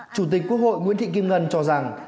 chủ tịch quốc hội nguyễn thị kim ngân cho rằng